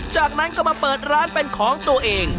จากนั้นก็มาเปิดร้านเป็นของตัวเอง